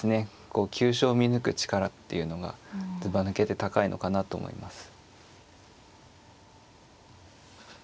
こう急所を見抜く力っていうのがずばぬけて高いのかなと思います。